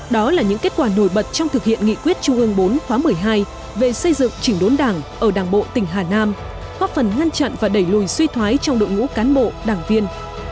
đó là những kết quả nổi bật trong thực hiện nghị quyết trung ương bốn khóa một mươi hai về xây dựng chỉnh đốn đảng ở đảng bộ tỉnh hà nam góp phần ngăn chặn và đẩy lùi suy thoái trong đội ngũ cán bộ đảng viên